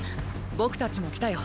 僕たちも来たよ。